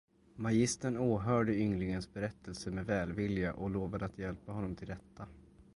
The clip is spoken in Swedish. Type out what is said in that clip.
Magistern åhörde ynglingens berättelse med välvilja och lovade att hjälpa honom till rätta.